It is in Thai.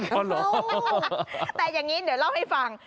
อ๋อเหรอแต่อย่างนี้เดี๋ยวเล่าให้ฟัง